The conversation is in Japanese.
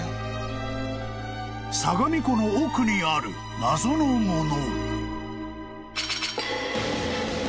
［相模湖の奥にある謎のもの］